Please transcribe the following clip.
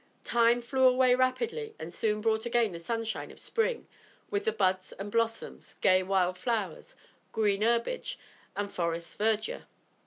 Time flew away rapidly and soon brought again the sunshine of spring with the buds and blossoms, gay wild flowers, green herbage and forest verdure.